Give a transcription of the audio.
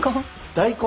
大根？